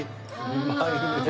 うまいねえ！